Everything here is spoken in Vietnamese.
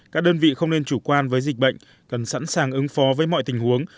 các đơn vị không nên chủ quan với dịch bệnh cần sẵn sàng ứng phó với mọi tình huống